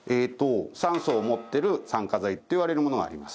酸素を持ってる酸化剤っていわれるものがあります。